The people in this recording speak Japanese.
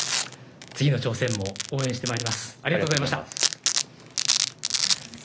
次の挑戦も応援しています